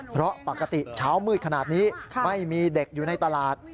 เพราะปกติเช้ามืดขนาดนี้ไม่มีเด็กอยู่ในตลาด